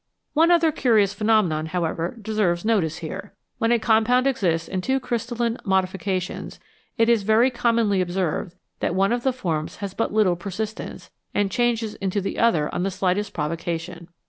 One other curious phenomenon, however, deserves notice here. When a compound exists in two crystalline modi fications, it is very commonly observed that one of the forms has but little persistence, and changes into the other on the slightest provocation.